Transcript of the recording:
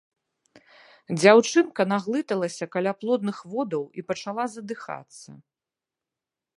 Дзяўчынка наглыталіся каляплодных водаў і пачала задыхацца.